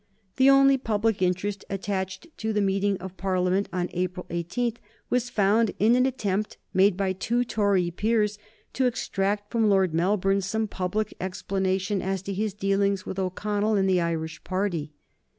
The only public interest attaching to the meeting of Parliament on April 18 was found in an attempt, made by two Tory peers, to extract from Lord Melbourne some public explanation as to his dealings with O'Connell and the Irish party.